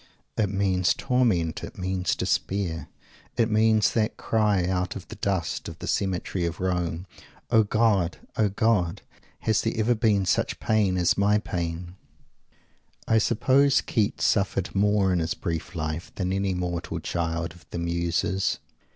It means Torment. It means Despair. It means that cry, out of the dust of the cemetery at Rome, "O God! O God! has there ever been such pain as my pain?" I suppose Keats suffered more in his brief life than any mortal child of the Muses.